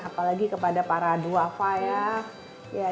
apalagi kepada para dua faya